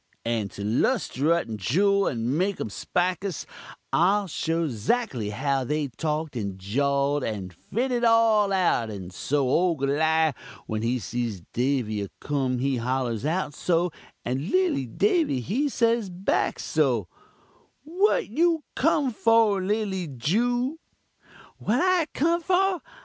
"And to 'lusterut the juul and make um spikus, I'll show 'zactly how they talk'd, and jaw'd, and fit it all out; and so ole Goliawh when he sees Davy a kumun, he hollurs out so, and lilly Davy he say back so: "'What you kum for, lilly Jew? ' "'What I kum for?